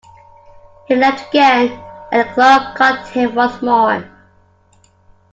He leapt again, and the club caught him once more.